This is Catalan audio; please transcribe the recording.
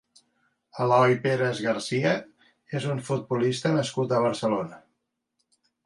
Eloy Pérez García és un futbolista nascut a Barcelona.